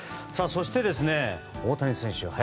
そして、大谷選手